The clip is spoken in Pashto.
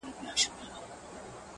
د زنده گۍ ياري كړم ـ